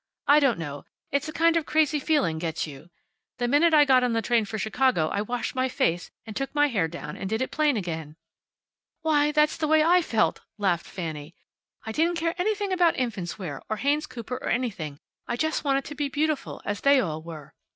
I don't know. It's a kind of a crazy feeling gets you. The minute I got on the train for Chicago I washed my face and took my hair down and did it plain again." "Why, that's the way I felt!" laughed Fanny. "I didn't care anything about infants' wear, or Haynes Cooper, or anything. I just wanted to be beautiful, as they all were."